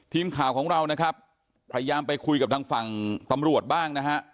ทีมข่าวของเรานะครับพยายามไปคุยกับทางฝั่งตำรวจบ้างนะฮะ